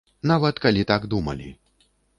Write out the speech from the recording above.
Нават калі так думалі.